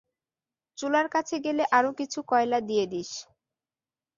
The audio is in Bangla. চুলার কাছে গেলে আরো কিছু কয়লা দিয়ে দিস।